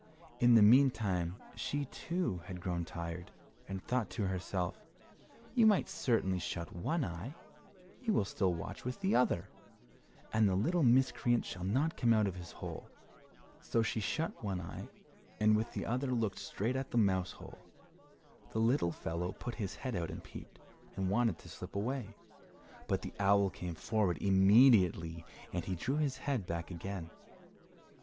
In the meantime she, too, had grown tired and thought to herself, "You might certainly shut one eye, you will still watch with the other, and the little miscreant shall not come out of his hole." So she shut one eye, and with the other looked straight at the mouse hole. The little fellow put his head out and peeped, and wanted to slip away, but the owl came forward immediately, and he drew his head back again.